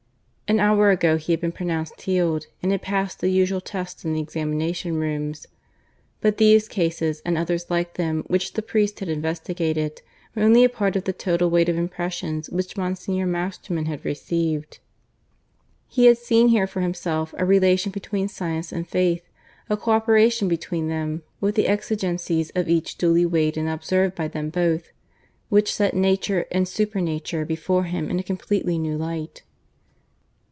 An hour ago he had been pronounced healed, and had passed the usual tests in the examination rooms. But these cases, and others like them which the priests had investigated, were only a part of the total weight of impressions which Monsignor Masterman had received. He had seen here for himself a relation between Science and Faith a co operation between them, with the exigencies of each duly weighed and observed by them both which set Nature and Supernature before him in a completely new light.